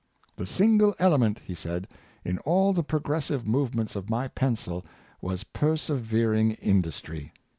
'' The single element," he said, " in all the progressive move ments of my pencil was persevering industry."